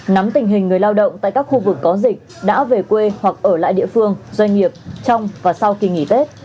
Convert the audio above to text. nắm tình hình người lao động tại các khu vực có dịch đã về quê hoặc ở lại địa phương doanh nghiệp trong và sau kỳ nghỉ tết